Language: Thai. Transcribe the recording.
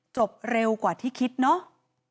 จบเร็วกว่าที่คิดเนาะ